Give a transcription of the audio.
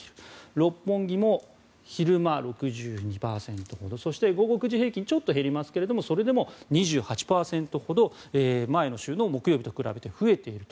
六本木も昼間６２％そして午後９時平均ちょっと減りますけどそれでも２８％ほど前の週の木曜日と比べて増えていると。